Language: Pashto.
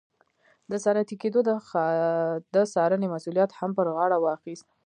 د صنعتي کېدو د څارنې مسوولیت هم پر غاړه واخیست.